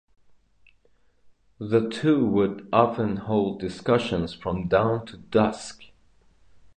The two would often hold discussions from dawn to dusk.